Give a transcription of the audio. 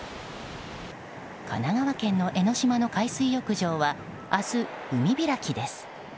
神奈川県の江の島の海水浴場は明日、海開きです。